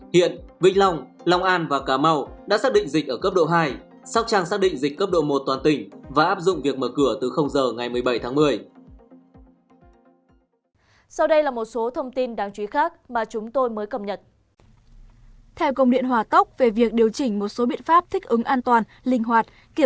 hiện vĩnh long long an và cà mau đã xác định dịch ở cấp độ hai sóc trăng xác định dịch cấp độ một toàn tỉnh và áp dụng việc mở cửa từ giờ ngày một mươi bảy tháng một mươi